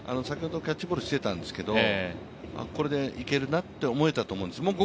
先ほどキャッチボールしてたんですけど、これでいけるなと思えたと思うんです。